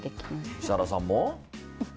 設楽さんも？